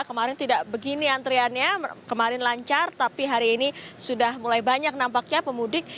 kemarin tidak begini antriannya kemarin lancar tapi hari ini sudah mulai banyak nampaknya pemudik